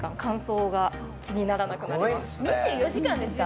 ２４時間ですか？